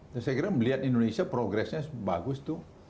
saya kira melihat indonesia progresnya bagus itu